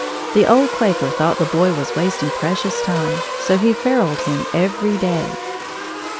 The old Quaker thought the boy was wasting precious time, so he feruled him every day.